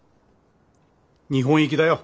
日本行きだよ。